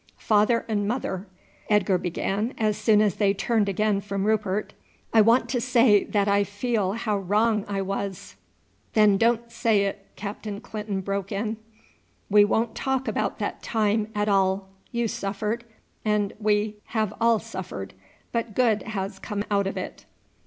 "Father and mother," Edgar began as soon as they turned again from Rupert, "I want to say that I feel how wrong I was " "Then don't say it," Captain Clinton broke in. "We won't talk about that time at all. You suffered, and we have all suffered; but good has come out of it.